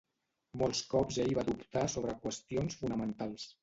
"Molts cops ell va dubtar sobre qüestions fonamentals."